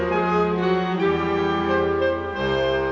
โปรดติดตามต่อไป